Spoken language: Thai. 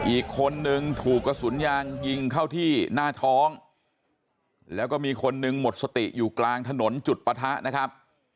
อีกคนนึงถูกกระสุนยางยิงเข้าที่หน้าท้องแล้วก็มีคนนึงหมดสติอยู่กลางถนนจุดปะทะนะครับ